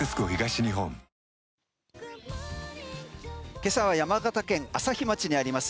今朝は山形県朝日町にあります